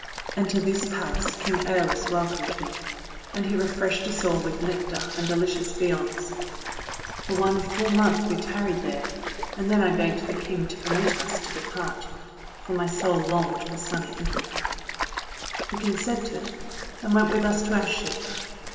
And to this palace King ^Eolus welcomed me, and he re freshed us all w^ith Nectar and delicious viands. For one full month we tarried there; and then I begged the King to permit us to depart, for my soul longed for sunny Ithaca. He consented, and went with us to our ship.